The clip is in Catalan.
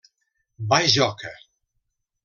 Bajoca.